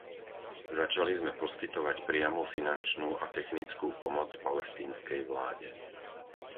Začali sme poskytovať priamu finančnú a technickú pomoc palestínskej vláde.